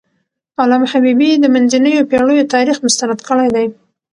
علامه حبيبي د منځنیو پېړیو تاریخ مستند کړی دی.